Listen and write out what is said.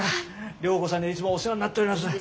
涼子さんにはいつもお世話になっております。